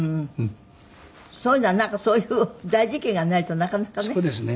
そういうのはなんかそういう大事件がないとなかなかね。